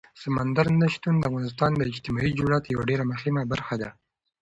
سمندر نه شتون د افغانستان د اجتماعي جوړښت یوه ډېره مهمه برخه ده.